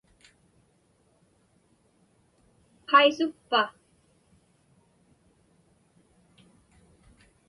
Qaisukpa?